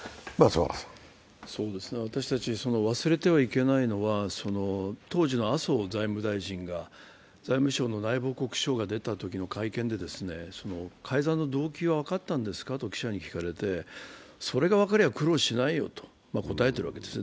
私たち忘れてはいけないのは、当時の麻生財務大臣が財務省の内部告発が出たときに改ざんの動機は分かったんですかと記者に聞かれてそれが分かれば苦労しないよと答えているわけですね。